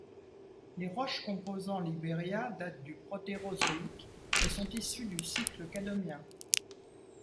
Les roches composant l'Iberia datent du Protérozoïque et sont issues du cycle cadomien.